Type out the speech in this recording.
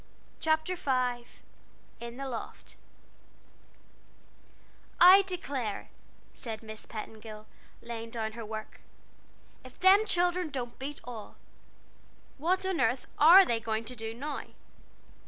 CHAPTER V IN THE LOFT "I declare," said Miss Petingill, laying down her work, "if them children don't beat all! What on airth are they going to do now?"